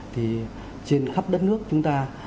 thì trên khắp đất nước chúng ta